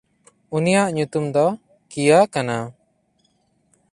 ᱩᱱᱤᱭᱟᱜ ᱧᱩᱛᱩᱢ ᱫᱚ ᱠᱤᱭᱟ ᱠᱟᱱᱟ᱾